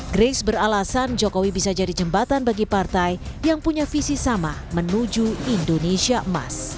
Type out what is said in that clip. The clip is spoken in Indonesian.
grace beralasan jokowi bisa jadi jembatan bagi partai yang punya visi sama menuju indonesia emas